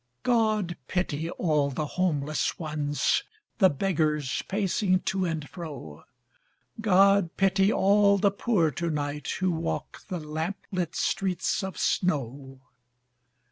God pity all the homeless ones, The beggars pacing to and fro. God pity all the poor to night Who walk the lamp lit streets of snow.